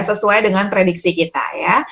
sesuai dengan prediksi kita ya